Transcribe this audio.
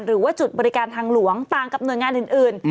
หรือว่าจุดบริการทางหลวงต่างกับหน่วยงานอื่น